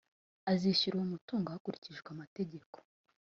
Azishyura uwo mutungo hakurikijwe amategeko